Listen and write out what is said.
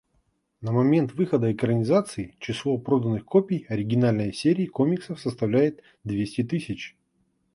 На момент выхода экранизации число проданных копий оригинальной серии комиксов составляет двести тысяч.